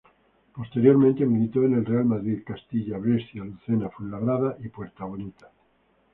Posteriormente militó en el Real Madrid Castilla, Brescia, Lucena, Fuenlabrada y Puerta Bonita.